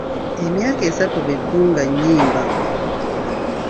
Emyaka asatu be ddu nga nnyimba.